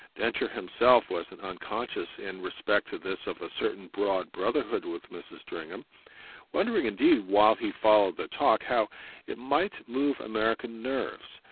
Densher himself wasn't unconscious in respect to this of a certain broad brotherhood with Mrs. Stringham; wondering indeed, while he followed the talk, how it might move American nerves.